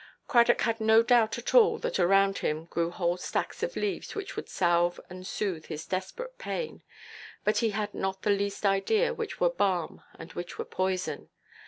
Cradock had no doubt at all that around him grew whole stacks of leaves which would salve and soothe his desperate pain; but he had not the least idea which were balm and which were poison.